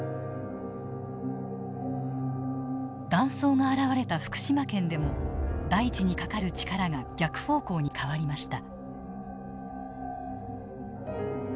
断層が現れた福島県でも大地にかかる力が逆方向に変わりました。